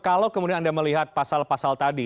kalau kemudian anda melihat pasal pasal tadi